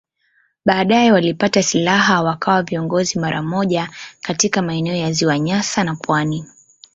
Baadaye walipata silaha wakawa viongozi mara moja katika maeneo ya Ziwa Nyasa na pwani.